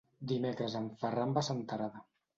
Dimecres en Ferran va a Senterada.